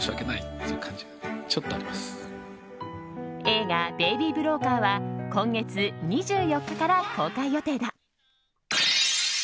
映画「ベイビー・ブローカー」は今月２４日から公開予定だ。